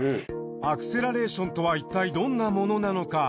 アクセラレーションとはいったいどんなものなのか？